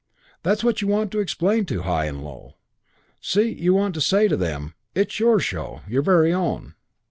That's what you want to explain to High and Low. See you want to say to them, 'This is your show. Your very own.